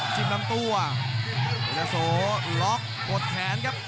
จิ้มลำตัวเพชรเจ้าโสล็อคกดแขนครับ